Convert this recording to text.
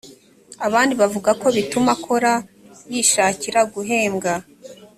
abandi bavuga ko bituma akora yishakira guhembwa